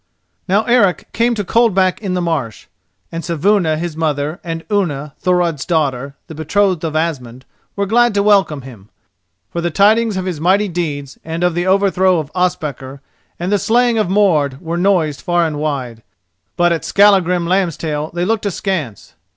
Now Eric came to Coldback in the Marsh, and Saevuna his mother and Unna, Thorod's daughter, the betrothed of Asmund, were glad to welcome him; for the tidings of his mighty deeds and of the overthrow of Ospakar and the slaying of Mord were noised far and wide. But at Skallagrim Lambstail they looked askance.